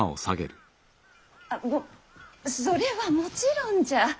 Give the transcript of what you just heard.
あっもそれはもちろんじゃ。